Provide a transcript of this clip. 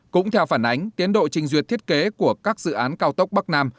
cũng theo phản ánh tiến độ trình duyệt thiết kế của các dự án cao tốc bắc nam